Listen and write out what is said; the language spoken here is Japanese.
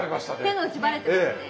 手の内バレてますね。